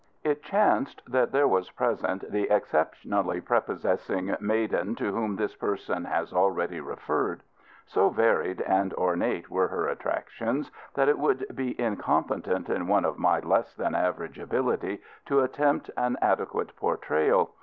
It chanced that there was present the exceptionally prepossessing maiden to whom this person has already referred. So varied and ornate were her attractions that it would be incompetent in one of my less than average ability to attempt an adequate portrayal.